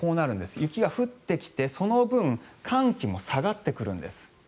雪が降ってきてその分寒気も下がってくるんです。